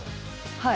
はい。